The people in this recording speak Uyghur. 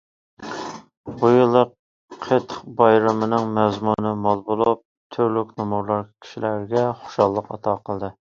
بۇ يىللىق قېتىق بايرىمىنىڭ مەزمۇنى مول بولۇپ، تۈرلۈك نومۇرلار كىشىلەرگە خۇشاللىق ئاتا قىلدى.